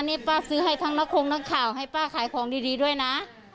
นี่ป้าซื้อให้ทั้งนักคงนักข่าวให้ป้าขายของดีด้วยนะ